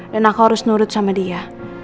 dan aku harus nurut sama dia